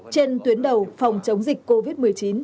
trên tuyến đầu phòng chống dịch covid một mươi chín